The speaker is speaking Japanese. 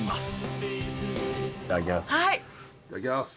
いただきます。